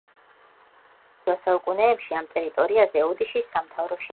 გვიანდელ შუა საუკუნეებში ამ ტერიტორიაზე ოდიშის სამთავრო შეიქმნა.